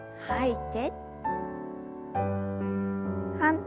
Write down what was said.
はい。